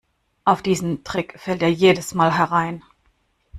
Auf diesen Trick fällt er jedes Mal herein.